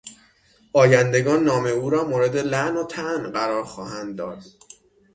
آیندگان نام او را مورد لعن و طعن قرار خواهند داد.